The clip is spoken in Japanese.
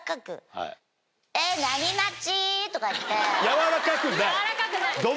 やわらかくない。